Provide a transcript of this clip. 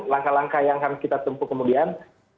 langkah langkah yang akan kita tempuh kemudian